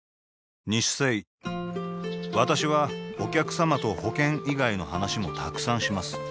私はお客様と保険以外の話もたくさんします